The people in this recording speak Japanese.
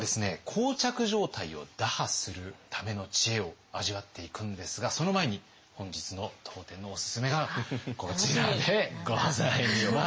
膠着状態を打破するための知恵を味わっていくんですがその前に本日の当店のおすすめがこちらでございます。